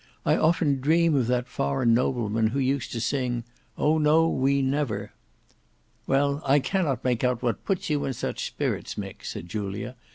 "I often dream of that foreign nobleman who used to sing, 'Oh, no, we never!'" "Well, I cannot make out what puts you in such spirits, Mick," said Julia.